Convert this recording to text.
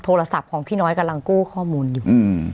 โทรศัพท์ของพี่น้อยกำลังกู้ข้อมูลอยู่